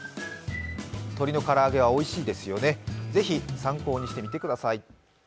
鶏の唐揚げはおいしいですよね、ぜひ参考にしてみてください。